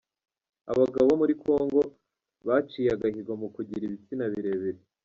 Abagabo bo muri congo baciye agahigo mu kugira ibitsina birebire